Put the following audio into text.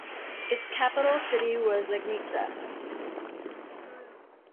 Its capital city was Legnica.